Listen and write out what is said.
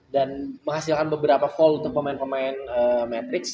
dan menghasilkan beberapa fold untuk pemain pemain matrix